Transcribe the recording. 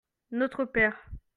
notre père.